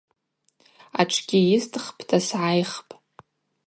Атшгьи йыстхпӏта сгӏайхпӏ.